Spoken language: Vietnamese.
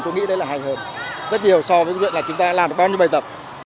con nghĩ đấy là hài hờn rất nhiều so với việc là chúng ta đã làm được bao nhiêu bài tập